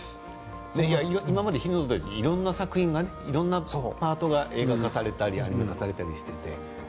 今まで「火の鳥」っていろんなパートが映画化されたりアニメ化されたりしていて。